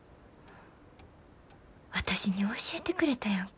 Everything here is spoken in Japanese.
私に教えてくれたやんか。